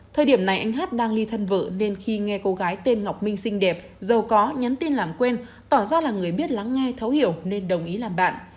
thời điểm này anh hát đang ly thân vợ nên khi nghe cô gái tên ngọc minh xinh đẹp giàu có nhắn tin làm quen tỏ ra là người biết lắng nghe thấu hiểu nên đồng ý làm bạn